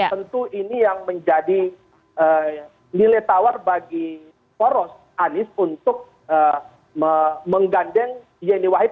tentu ini yang menjadi nilai tawar bagi poros anies untuk menggandeng yeni wahid